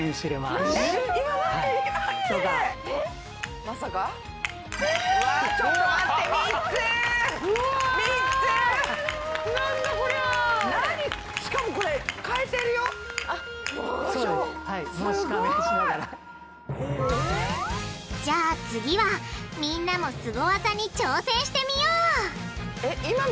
すごい！じゃあ次はみんなもスゴ技に挑戦してみよう！